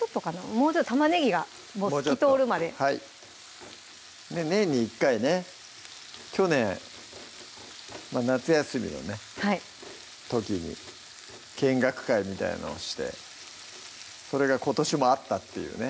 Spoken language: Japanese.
もうちょっと玉ねぎがもう透き通るまで年に１回ね去年まぁ夏休みのね時に見学会みたいのをしてそれが今年もあったっていうね